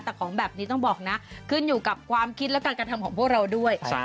แต่ของแบบนี้ต้องบอกนะขึ้นอยู่กับความคิดและการกระทำของพวกเราด้วย